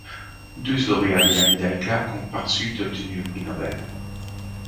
Douze lauréats de la Médaille Clark ont par la suite obtenu le prix Nobel.